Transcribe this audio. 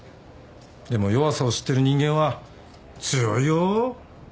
でも弱さを知ってる人間は強いよ。